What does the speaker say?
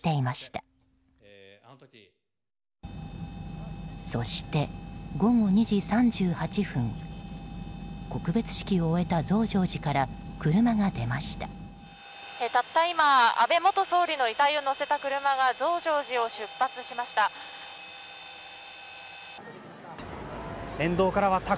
たった今、安倍元総理の遺体を乗せた車が増上寺を出発しました。